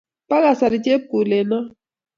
Po kasari chepkulenno